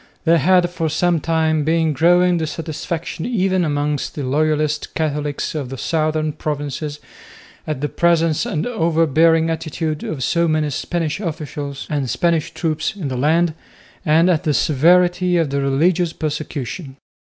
There had for some time been growing dissatisfaction even amongst the loyalist Catholics of the southern provinces at the presence and over bearing attitude of so many Spanish officials and Spanish troops in the land and at the severity of the religious persecution.